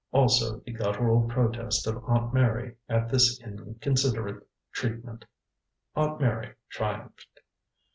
Also the guttural protest of Aunt Mary at this inconsiderate treatment. Aunt Mary triumphed.